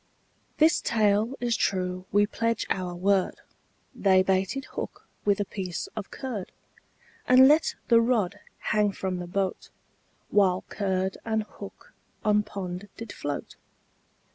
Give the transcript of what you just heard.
This tale is true we pledge our word, They baited hook with a piece of curd, And let the rod hang from the boat, While curd and hook on pond did float.